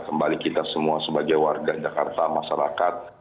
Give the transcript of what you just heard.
kembali kita semua sebagai warga jakarta masyarakat